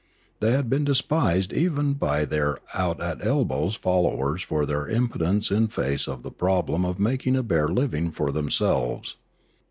They had been despised even by their out at elbows followers for their impotence in face of the problem of making a bare living for themselves.